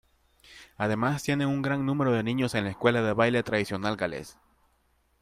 Además tienen un gran número de niños en la escuela de baile tradicional gales.